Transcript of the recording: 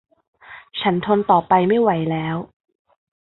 ฉันทนต่อไปไม่ไหวแล้ว